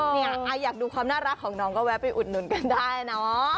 อยากดูความน่ารักของน้องก็แวะไปอุดหนุนกันได้เนอะ